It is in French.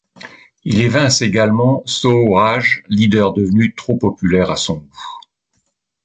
Il évince également Sooraj, leader devenu trop populaire à son goût.